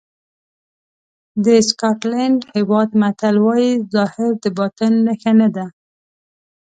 د سکاټلېنډ هېواد متل وایي ظاهر د باطن نښه نه ده.